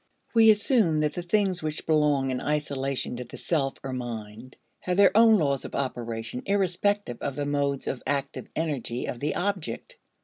We assume that the things which belong in isolation to the self or mind have their own laws of operation irrespective of the modes of active energy of the object.